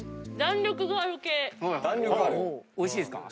おいしいですか？